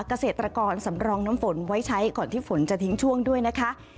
เกษตรกรสำรองน้ำฝนไว้ใช้ก่อนที่ฝนจะทิ้งช่วงด้วยนะคะ